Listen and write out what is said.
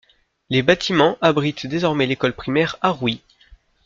Les bâtiments abritent désormais l'école primaire Harouys.